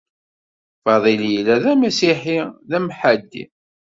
Faḍil yella d amasiḥi d amḥaddi.